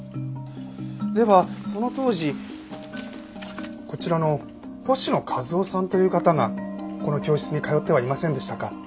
ではその当時こちらの星野一男さんという方がこの教室に通ってはいませんでしたか？